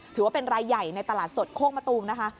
ถือว่าเป็นรายใหญ่ในตลาดสดโคกมะตูมนะคะ